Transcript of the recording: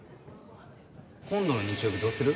今度の日曜日どうする？